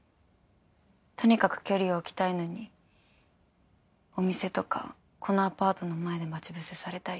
とにかく距離を置きたいのにお店とかこのアパートの前で待ち伏せされたり。